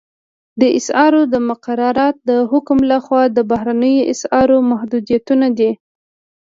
د اسعارو مقررات د حکومت لخوا د بهرنیو اسعارو محدودیتونه دي